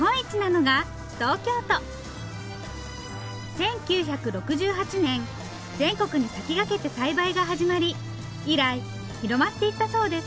１９６８年全国に先駆けて栽培が始まり以来広まっていったそうです。